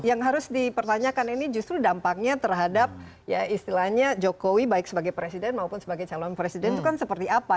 yang harus dipertanyakan ini justru dampaknya terhadap ya istilahnya jokowi baik sebagai presiden maupun sebagai calon presiden itu kan seperti apa